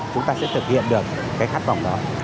chúng ta sẽ thực hiện được cái khát vọng đó